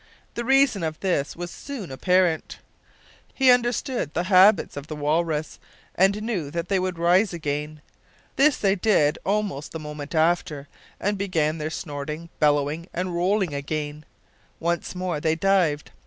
The reason of this was soon apparent. He understood the habits of the walrus, and knew that they would rise again. This they did almost the moment after, and began their snorting, bellowing, and rolling again. Once more they dived.